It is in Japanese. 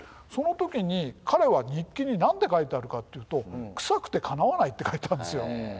その時に彼は日記に何て書いてあるかっていうと「臭くてかなわない」って書いたんですよ。